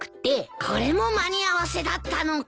これも間に合わせだったのか。